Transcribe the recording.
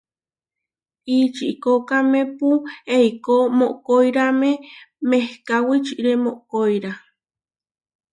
Ihčikókamepu eikó mokóirame mehká wičiré mokoirá.